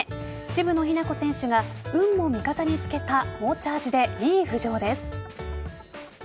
渋野日向子選手が運も味方に付けた猛チャージで２位浮上です。